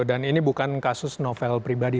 dan ini bukan kasus novel pribadi